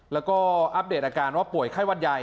แล้วก็อัปเดตอาการว่าป่วยไข้วัดใหญ่